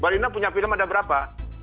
mbak rina punya film ada berapa